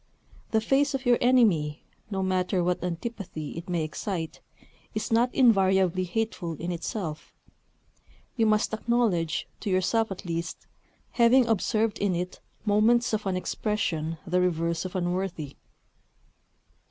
The face of your enemy, no matter what antipathy it may excite, is not invariably hateful in itself: you must acknowledge, to yourself at least, having observed in it moments of an expression the reverse of unworthy.